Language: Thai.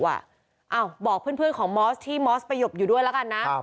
บอกเพื่อนของมอสที่มอสไปหยบอยู่ด้วยแล้วกันนะ